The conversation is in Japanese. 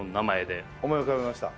思い浮かべました。